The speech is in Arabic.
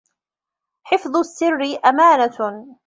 حفظ السر أمانة